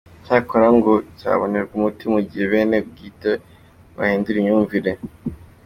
Cyakora ngo cyabonerwa umuti mu gihe bene ubwite bahindura imyumvire .